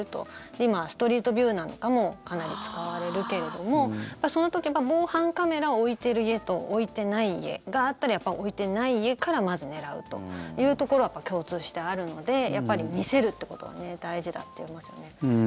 今、ストリートビューなんかもかなり使われるけれどもその時は防犯カメラ置いてる家と置いてない家があったらやっぱ置いてない家からまず狙うというところは共通してあるのでやっぱり見せるってことは大事だって言いますよね。